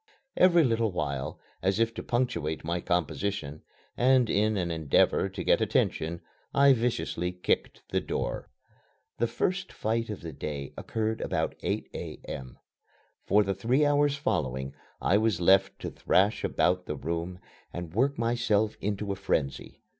Every little while, as if to punctuate my composition, and in an endeavor to get attention, I viciously kicked the door. This first fight of the day occurred about 8 A.M. For the three hours following I was left to thrash about the room and work myself into a frenzy.